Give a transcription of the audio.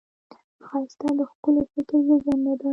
ښایست د ښکلي فکر زېږنده ده